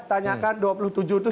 tanyakan dua puluh tujuh itu siapa saja